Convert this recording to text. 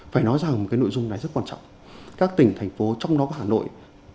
phải nói rằng nội dung này rất quan trọng các tỉnh thành phố trong đó của hà nội